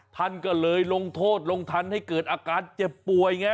ท่านก็เลยลงโทษลงทันให้เกิดอาการเจ็บป่วยไง